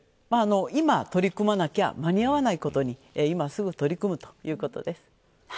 今、取り組まなきゃ間に合わないことに今すぐ取り組むということです。